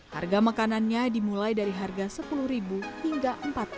harga makanannya dimulai dari harga sepuluh hingga empat puluh